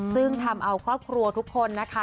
ซึ่งทำเอาครอบครัวทุกคนนะคะ